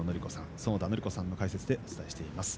園田教子さんの解説でお伝えしています。